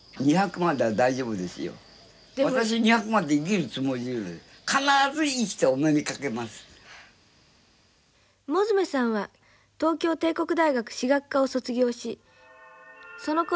物集さんは東京帝国大学史学科を卒業しそのころ